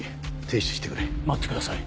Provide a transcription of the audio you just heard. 待ってください。